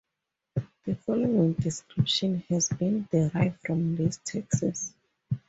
The following description has been derived from these texts.